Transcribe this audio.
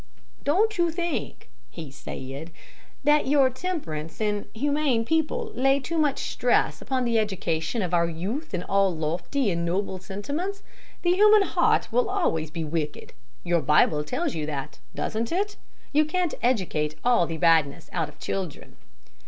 "Don't you think," he said, "that you temperance and humane people lay too much stress upon the education of our youth in all lofty and noble sentiments? The human heart will always be wicked. Your Bible tells you that, doesn't it? You can't educate all the badness out of children."